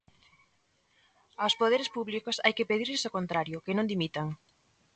Aos poderes públicos hai que pedirlles o contrario: que non dimitan.